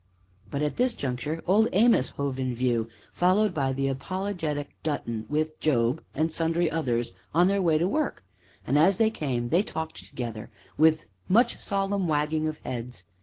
But, at this juncture, Old Amos hove in view, followed by the Apologetic Dutton, with Job and sundry others, on their way to work, and, as they came, they talked together, with much solemn wagging of heads.